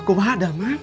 kau ada mak